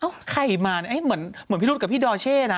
ใครมาเนี่ยเหมือนพี่รุษกับพี่ดอเช่นะ